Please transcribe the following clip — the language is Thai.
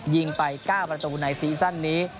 ยิงไป๙ประตูในซีซั่นนี้